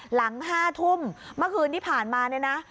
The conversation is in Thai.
หลัง๕ทุ่มเมื่อคืนนี้ผ่านมานะ